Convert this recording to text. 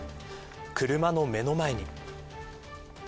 車の目の前に。